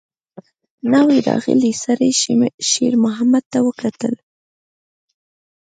نوي راغلي سړي شېرمحمد ته وکتل.